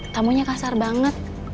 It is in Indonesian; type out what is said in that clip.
tamunya kasar banget